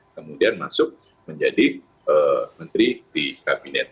kemudian masuk menjadi menteri di kabinet